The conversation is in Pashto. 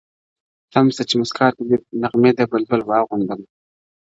تم سه چي مُسکا ته دي نغمې د بلبل وا غوندم-